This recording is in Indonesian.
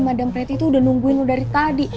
madam prety tuh udah nungguin lo dari tadi